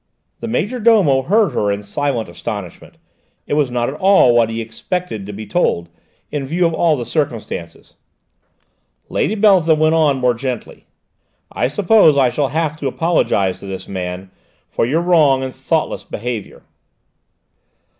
The major domo heard her in silent astonishment: it was not at all what he expected to be told, in view of all the circumstances. Lady Beltham went on more gently: "I suppose I shall have to apologise to this man for your wrong and thoughtless behaviour."